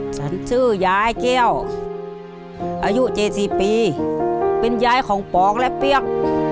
ฉันชื่อยายแก้วอายุ๗๐ปีเป็นยายของปองและเปี๊ยก